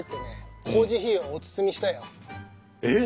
えっ！